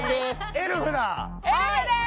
エルフでーす！